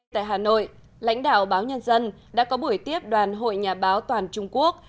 tại hà nội lãnh đạo báo nhân dân đã có buổi tiếp đoàn hội nhà báo toàn trung quốc